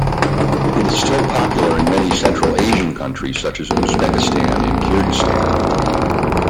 It is still popular in many Central Asian countries such as Uzbekistan and Kyrgyzstan.